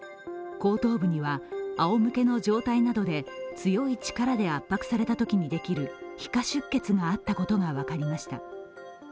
後頭部には、あおむけの状態などで強い力で圧迫されたときにできる皮下出血があったことが分かりました。